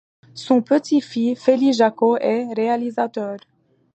Son petit-fils, Félix Jacquot, est réalisateur.